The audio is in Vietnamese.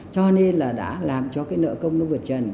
cho nên là đã làm cho cái nợ công nó vượt trần